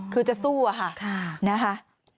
คือจะสู้นะคะ